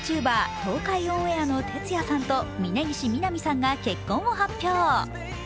東海オンエアのてつやさんと峯岸みなみさんが結婚を発表。